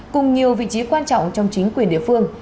cùng nhiều vị trí quan trọng trong chính quyền địa phương